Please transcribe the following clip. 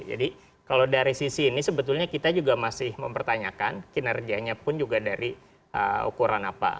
jadi kalau dari sisi ini sebetulnya kita juga masih mempertanyakan kinerjanya pun juga dari ukuran apa